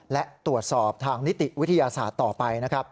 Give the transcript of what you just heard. และตรวจสอบทางนิติวิทยาศาสตร์ต่อไปนะครับ